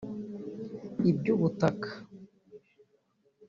iby’ubutaka